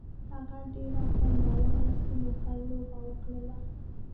هغه ډېره خوندوره سنوکر لوبه وکړله.